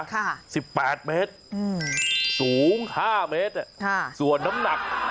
ค่ะสิบแปดเมตรอืมสูงห้าเมตรอ่ะค่ะส่วนน้ำหนัก